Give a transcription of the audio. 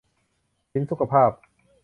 ศีลสุขภาพ